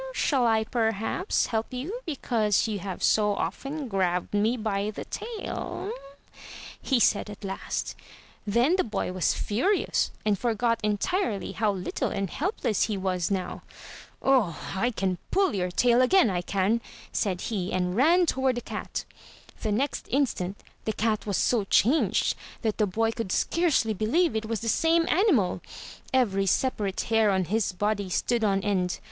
"Shall I perhaps help you because you have so often grabbed me by the tail?" he said at last. Then the boy was furious and forgot entirely how little and helpless he was now. "Oh! I can pull your tail again, I can," said he, and ran toward the cat. The next instant the cat was so changed that the boy could scarcely believe it was the same animal. Every separate hair on his body stood on end.